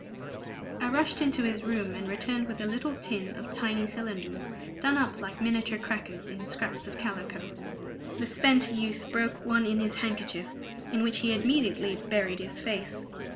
I rushed into his room, and returned with a little tin of tiny cylinders done up like miniature crackers in scraps of calico; the spent youth broke one in his handkerchief, in which he immediately buried his face.